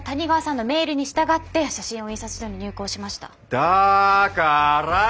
だから！